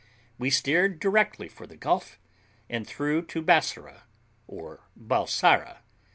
We steered directly for the Gulf, and through to Bassorah, or Balsara.